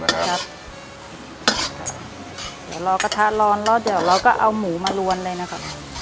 เดี๋ยวรอกระทะร้อนแล้วเดี๋ยวเราก็เอาหมูมาลวนเลยนะครับ